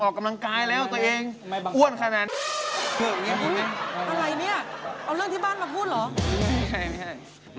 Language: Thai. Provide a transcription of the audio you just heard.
อวบหรือผอม